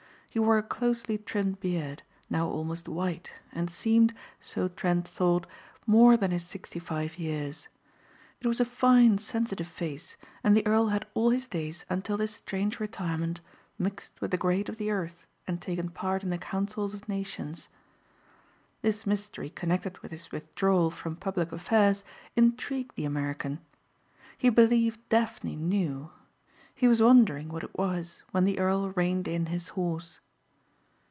He wore a closely trimmed beard, now almost white, and seemed, so Trent thought, more than his sixty five years. It was a fine, sensitive face, and the earl had all his days until this strange retirement mixed with the great of the earth and taken part in the councils of nations. This mystery connected with his withdrawal from public affairs intrigued the American. He believed Daphne knew. He was wondering what it was when the earl reined in his horse.